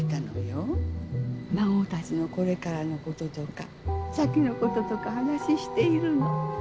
孫たちのこれからのこととか先のこととか話しているの。